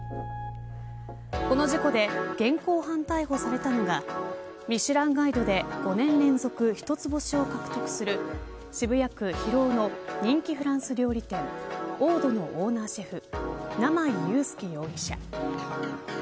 この事故で現行犯逮捕されたのがミシュランガイドで５年連続一つ星を獲得する渋谷区広尾の人気フランス料理店Ｏｄｅのオーナーシェフ生井祐介容疑者。